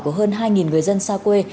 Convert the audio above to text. của hơn hai người dân xa quê